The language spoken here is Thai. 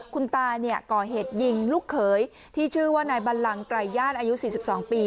คุณตาเนี่ยก่อเหตุยิงลูกเขยที่ชื่อว่านายบันหลังไกรย่านอายุสี่สิบสองปี